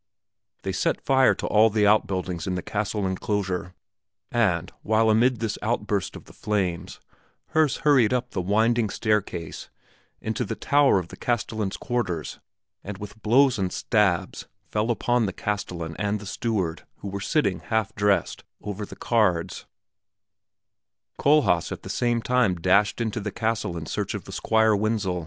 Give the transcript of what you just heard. They set fire to all the outbuildings in the castle inclosure, and, while, amid the outburst of the flames, Herse hurried up the winding staircase into the tower of the castellan's quarters, and with blows and stabs fell upon the castellan and the steward who were sitting, half dressed, over the cards, Kohlhaas at the same time dashed into the castle in search of the Squire Wenzel.